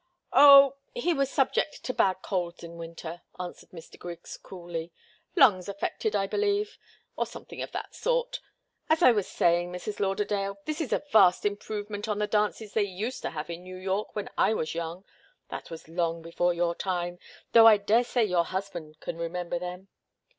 "Oh he was subject to bad colds in winter," answered Mr. Griggs, coolly. "Lungs affected, I believe or something of that sort. As I was saying, Mrs. Lauderdale, this is a vast improvement on the dances they used to have in New York when I was young. That was long before your time, though I daresay your husband can remember them."